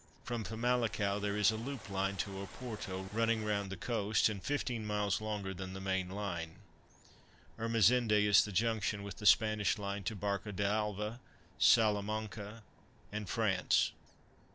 From FAMALICAO there is a loop line to Oporto running round the coast and 15m. longer than the main line. ERMEZINDE is the junction with the Spanish line to Barca d'Alva, Salamanca and France.